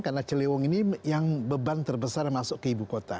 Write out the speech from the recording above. karena ciliwung ini yang beban terbesar yang masuk ke ibu kota